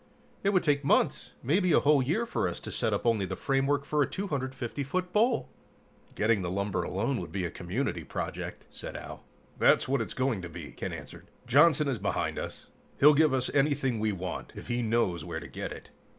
"It would take months, maybe a whole year, for us to set up only the framework for a 250 foot bowl!" "Getting the lumber alone would be a community project," said Al. "That's what it's going to be," Ken answered. "Johnson is behind us. He'll give us anything we want, if he knows where to get it.